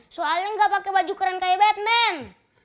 soalnya gak pake baju keren kayak batman